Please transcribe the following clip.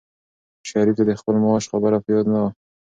شریف ته د خپل معاش خبره په یاد نه وه.